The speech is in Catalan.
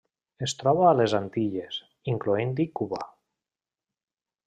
Es troba a les Antilles, incloent-hi Cuba.